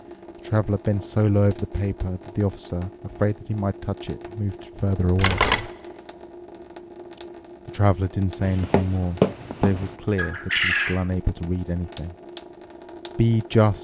The Traveler bent so low over the paper that the Officer, afraid that he might touch it, moved it further away. The Traveler didn't say anything more, but it was clear that he was still unable to read anything. " 'Be just!